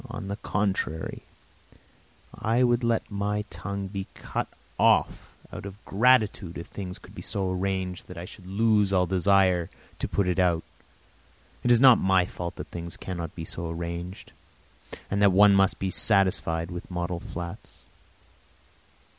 On the contrary, I would let my tongue be cut off out of gratitude if things could be so arranged that I should lose all desire to put it out. It is not my fault that things cannot be so arranged, and that one must be satisfied with model flats.